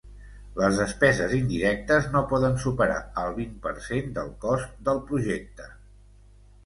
Les despeses indirectes no poden superar el vint per cent del cost del projecte.